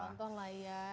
nonton lah ya